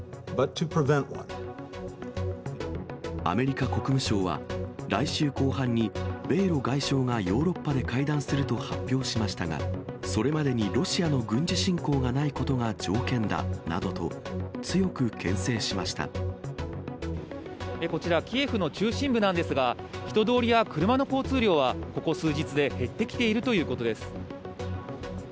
アメリカ国務省は、来週後半に、米ロ外相がヨーロッパで会談すると発表しましたが、それまでにロシアの軍事侵攻がないことが条件だなどと、強くけんこちら、キエフの中心部なんですが、人通りや車の交通量はここ数日で減ってきているということです。